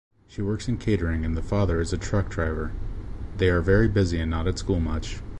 She works in catering and the father is a truck driver. They are very busy and not at school much.